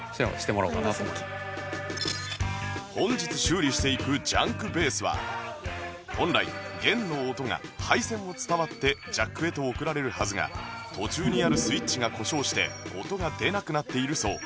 本日修理していくジャンクベースは本来弦の音が配線を伝わってジャックへと送られるはずが途中にあるスイッチが故障して音が出なくなっているそう